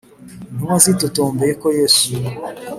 Intumwa zitotombeye ko yesu